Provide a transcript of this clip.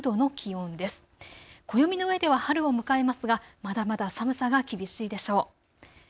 暦の上では春を迎えますがまだまだ寒さが厳しいでしょう。